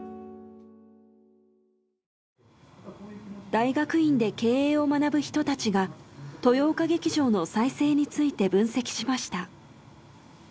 大学院で経営を学ぶ人たちが豊岡劇場の再生について分析しました。